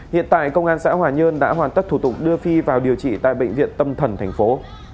hiện tại công an xã hòa nhơn đã hoàn tất thủ tục đưa phi vào điều trị tại bệnh viện tâm thần thành phố